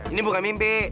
ini bukan mimpi